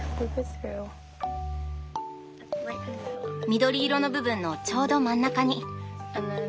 緑色の部分のちょうど真ん中に。